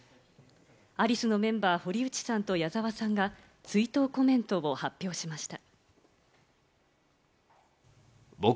アリスのメンバー、堀内さんと矢沢さんが追悼コメントを発表しました。